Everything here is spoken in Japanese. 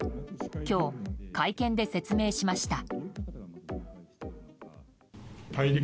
今日、会見で説明しました。